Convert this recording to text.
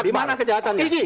di mana kejahatannya